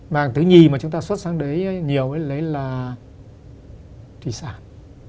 mặt hàng thứ nhì mà chúng ta xuất sang đấy nhiều đấy là thủy sản